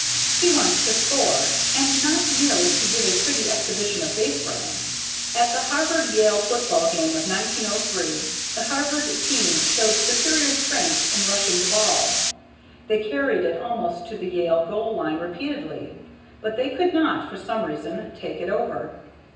He wants to score, and not merely to give a pretty exhibition of base running. At the Harvard Yale football game of 1903 the Harvard team showed superior strength in rushing the ball; they carried it almost to the Yale goal line repeatedly, but they could not, for some reason, take it over.